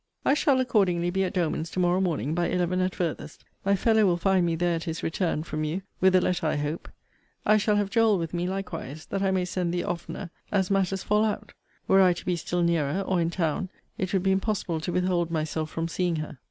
I shall accordingly be at Doleman's to morrow morning, by eleven at farthest. My fellow will find me there at his return from you (with a letter, I hope). I shall have Joel with me likewise, that I may send the oftener, as matters fall out. Were I to be still nearer, or in town, it would be impossible to withhold myself from seeing her.